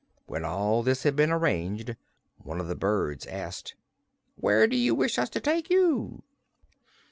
When all this had been arranged one of the birds asked: "Where do you wish us to take you?"